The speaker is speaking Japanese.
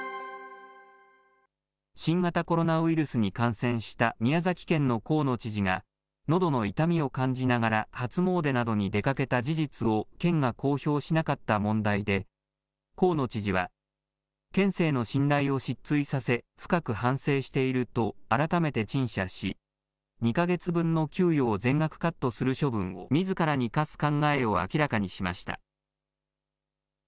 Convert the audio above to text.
新型コロナウイルスに感染した宮崎県の河野知事が、のどの痛みを感じながら、初詣などに出かけた事実を県が公表しなかった問題で、河野知事は、県政の信頼を失墜させ、深く反省していると改めて陳謝し、２か月分の給与を全額カットする処分をみずからに課す考えを明らかにしました。